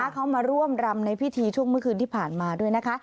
เขามาร่วมรำในพิธีช่วงเมื่อคืนที่ผ่านมาด้วยนะคะ